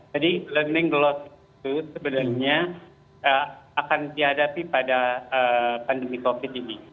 jadi learning loss itu sebenarnya akan dihadapi pada pandemi covid ini